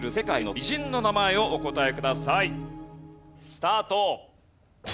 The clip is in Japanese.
スタート。